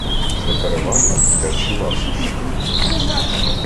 Це переважно дитячі ласощі.